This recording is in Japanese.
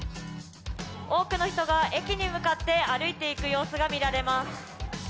多くの人が駅に向かって歩いていく様子が見られます。